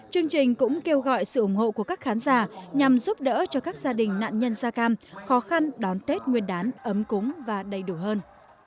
chương trình cũng kêu gọi sự ủng hộ của các khán giả nhằm giúp đỡ cho các gia đình nạn nhân da cam khó khăn đón tết nguyên đán ấm cúng và đầy đủ hơn